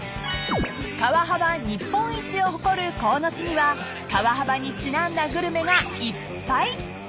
［川幅日本一を誇る鴻巣には川幅にちなんだグルメがいっぱい］